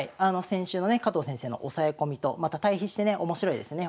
先週のね加藤先生の押さえ込みとまた対比してね面白いですね